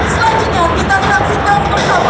selanjutnya kita saksikan bersama